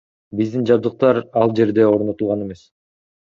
Биздин жабдыктар ал жерде орнотулган эмес.